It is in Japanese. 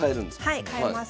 はい替えます。